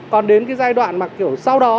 còn đến cái giai đoạn mà kiểu sau đó